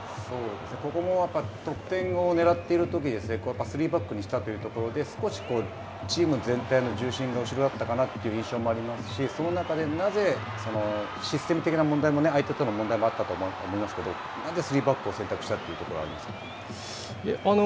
ここも得点をねらっているときで、３バックにしたというところで少しチーム全体の重心が後ろだったかなという印象もありますし、その中でなぜシステム的な問題も相手との問題もあると思いますけど、なぜ３バックを選択したというところはありますが。